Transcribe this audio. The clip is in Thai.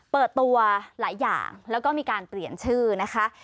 เปิดตัวหลายอย่างแล้วก็มีการเปลี่ยนชื่อนะคะ